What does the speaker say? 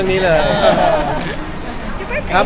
๒๙ปีแล้วพี่